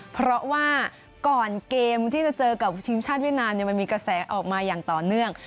เพราะว่าก่อนเกมที่จะเจอกับทีมชาติเวียดนามมันมีกระแสออกมาอย่างต่อเนื่อง